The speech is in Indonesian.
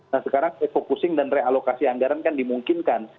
nah sekarang efokusing dan realokasi anggaran kan dimungkinkan